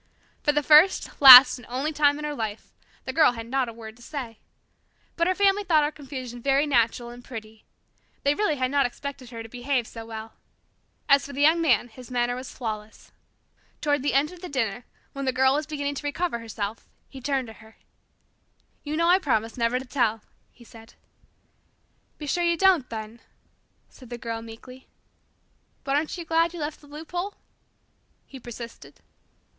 For the first, last, and only time in her life, the Girl had not a word to say. But her family thought her confusion very natural and pretty. They really had not expected her to behave so well. As for the Young Man, his manner was flawless. Toward the end of the dinner, when the Girl was beginning to recover herself, he turned to her. "You know I promised never to tell," he said. "Be sure you don't, then," said the Girl meekly. "But aren't you glad you left the loophole?" he persisted.